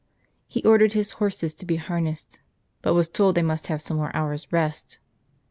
He ordered his horses to be harnessed, but was told they must have some more hours' rest.